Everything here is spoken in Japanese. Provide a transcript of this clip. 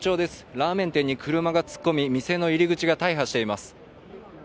ラーメン店に車が突っ込み店の入り口が大破しています。